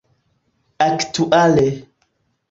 aktuale